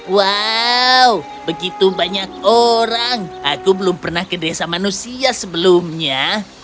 wow begitu banyak orang aku belum pernah ke desa manusia sebelumnya